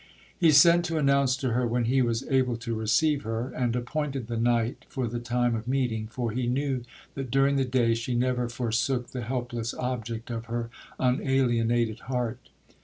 'He sent to announce to her when he was able to receive her, and appointed the night for the time of meeting, for he knew that during the day she never forsook the helpless object of her unalienated heart.